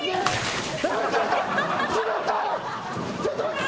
ちょっと待って待って！